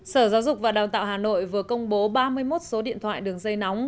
sở giáo dục và đào tạo hà nội vừa công bố ba mươi một số điện thoại đường dây nóng